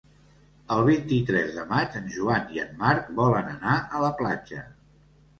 El vint-i-tres de maig en Joan i en Marc volen anar a la platja.